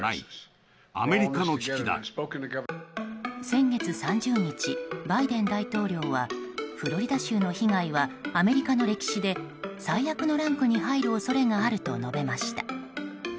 先月３０日、バイデン大統領はフロリダ州の被害はアメリカの歴史で最悪のランクに入る恐れがあると述べました。